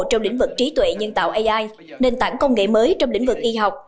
trong lĩnh vực trí tuệ nhân tạo ai nền tảng công nghệ mới trong lĩnh vực y học